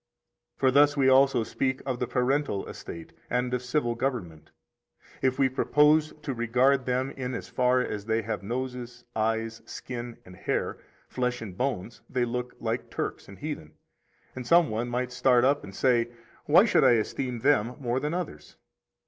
20 For thus we also speak of the parental estate and of civil government. If we propose to regard them in as far as they have noses, eyes, skin, and hair, flesh and bones, they look like Turks and heathen, and some one might start up and say: Why should I esteem them more than others?